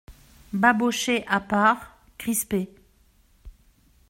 Babochet à part, crispé.